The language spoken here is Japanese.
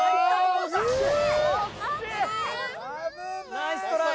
ナイストライ。